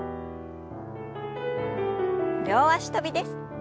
両脚跳びです。